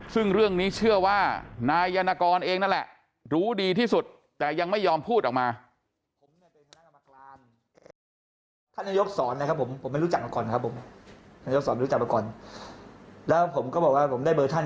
ซึ่งเรื่องนี้เชื่อว่านายยานกรเองนั่นแหละรู้ดีที่สุดแต่ยังไม่ยอมพูดออกมา